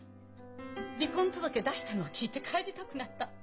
「離婚届出したのを聞いて帰りたくなった」？